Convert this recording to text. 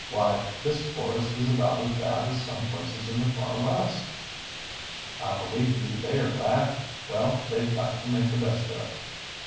Why, this forest is about as bad as some places in the far West." "I believe you there, lad. Well, they've got to make the best o' it.